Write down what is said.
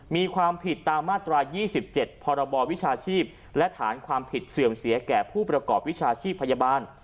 มีความผิดตามมาตรา๒๗พรบวิชาชีพและฐานความผิดเสื่อมเสียแก่ผู้ประกอบวิชาชีพพยาบาล